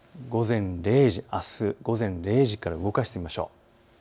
あす午前０時から動かしてみましょう。